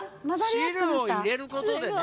汁を入れることでね！